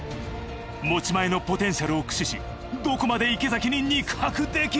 持ち前のポテンシャルを駆使しどこまで池崎に肉薄できるのか？